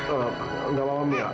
eee nggak maum ya